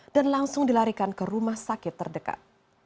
dan langsung dilarikan ke rumah sakit terdekat